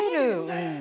うん。